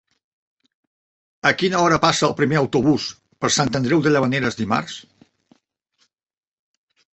A quina hora passa el primer autobús per Sant Andreu de Llavaneres dimarts?